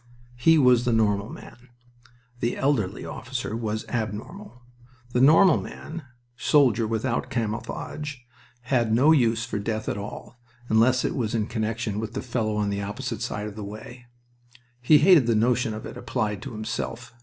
He was the normal man. The elderly officer was abnormal. The normal man, soldier without camouflage, had no use for death at all, unless it was in connection with the fellow on the opposite side of the way. He hated the notion of it applied to himself.